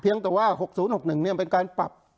เพียงแต่ว่าหกศูนย์หอบหนึ่งเนี่ยมันเป็นการปรับ